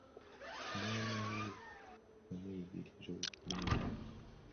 Omwana we yamuyigiriza okulimba!